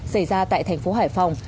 xảy ra tại thành phố hải phòng